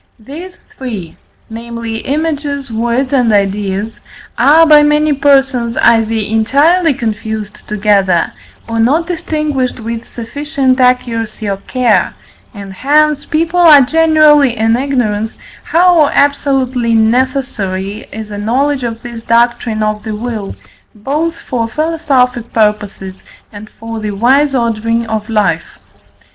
These three namely, images, words, and ideas are by many persons either entirely confused together, or not distinguished with sufficient accuracy or care, and hence people are generally in ignorance, how absolutely necessary is a knowledge of this doctrine of the will, both for philosophic purposes and for the wise ordering of life.